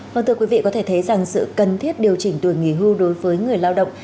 vâng thưa quý vị có thể thấy rằng sự cần thiết điều chỉnh tuổi nghỉ hưu đối với người lao động